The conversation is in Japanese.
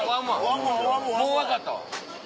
もう分かったわ。